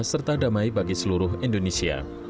serta damai bagi seluruh indonesia